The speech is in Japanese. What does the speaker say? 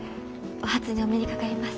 お初にお目にかかります。